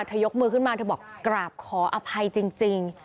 ยกมือขึ้นมาเธอบอกกราบขออภัยจริง